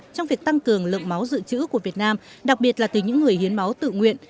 trong việc tăng cường lượng máu dự trữ của việt nam đặc biệt là từ những người hiến máu tự nguyện